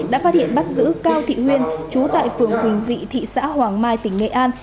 đã phát hiện bắt giữ cao thị nguyên chú tại phường quỳnh dị thị xã hoàng mai tỉnh nghệ an